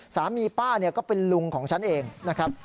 สามีป้าก็เป็นลุงของฉันเองนะครับ